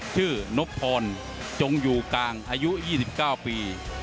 ชื่อนบทนจงอยู่กลางอายุ๒๙ปี